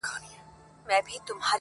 پر خوله باندي لاس نيسم و هوا ته درېږم